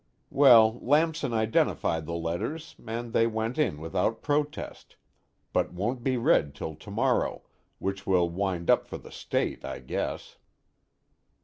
Well, Lamson identified the letters, and they went in without protest, but won't be read till tomorrow, which will wind up for the State, I guess.